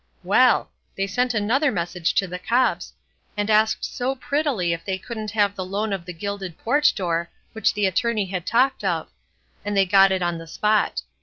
Well! they sent another message to the copse, and asked so prettily if they couldn't have the loan of the gilded porch door which the Attorney had talked of; and they got it on the spot.